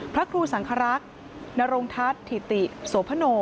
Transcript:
พระครูสังครักษ์นรงทัศน์ถิติโสพโน